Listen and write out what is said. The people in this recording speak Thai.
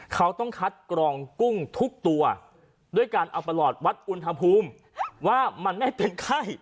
เขาต้องคัดกรองกุ้งทุกตัวด้วยการเอาประหลอดวัดอุณหภูมิว่ามันไม่เป็นไข้